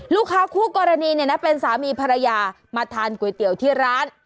คู่กรณีเนี่ยนะเป็นสามีภรรยามาทานก๋วยเตี๋ยวที่ร้าน